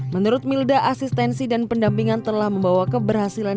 menurut milda asistensi dan pendampingan telah membawa keberhasilan